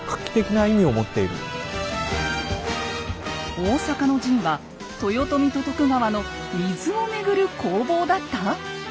大坂の陣は豊臣と徳川の水をめぐる攻防だった？